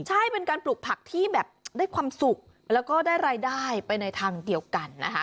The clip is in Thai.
ใช่เป็นการปลูกผักที่แบบได้ความสุขแล้วก็ได้รายได้ไปในทางเดียวกันนะคะ